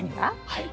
はい。